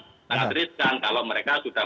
tak ada risiko kalau mereka sudah